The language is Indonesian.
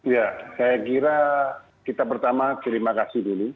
ya saya kira kita pertama terima kasih dulu